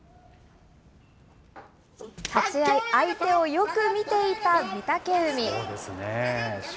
立ち合い、相手をよく見ていた御嶽海。